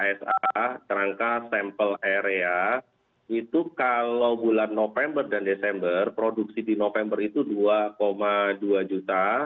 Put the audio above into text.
rangka sampel area itu kalau bulan november dan desember produksi di november itu dua dua juta